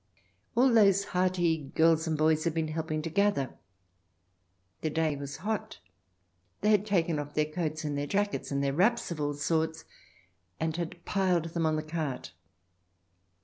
All those hearty girls and boys had been helping to gather ; the day was hot ; they had taken off their coats and their jackets and their wraps of all sorts, and had piled them on the cart.